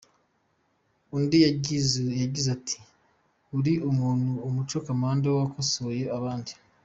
Undi yagize ati “Uri umuntu w’umu commando, wakosoye abanzi”.